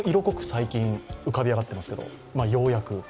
最近、浮かび上がっていますけど、ようやく。